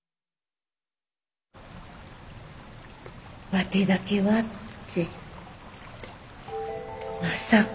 ワテだけはってまさか。